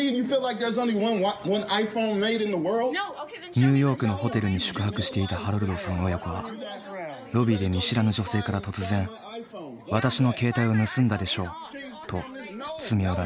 ニューヨークのホテルに宿泊していたハロルドさん親子はロビーで見知らぬ女性から突然私の携帯を盗んだでしょうと詰め寄られた。